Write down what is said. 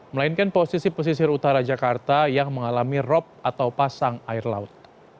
melainkan posisi pesisir utara jakarta yang mengalami rop atau pasang air laut